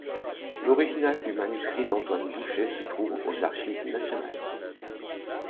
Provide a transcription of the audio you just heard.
L'original du manuscrit d'Antoine Boucher se trouve aux Archives Nationales.